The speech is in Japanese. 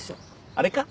あれか？